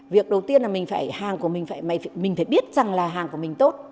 việc đầu tiên là mình phải hàng của mình phải mình phải biết rằng là hàng của mình tốt